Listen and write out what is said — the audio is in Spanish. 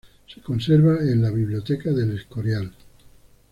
Se conserva en la biblioteca de El Escorial.